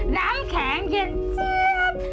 น้ำแข็งเกลียดเจี๊ยบ